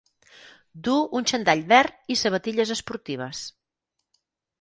Du un xandall verd i sabatilles esportives.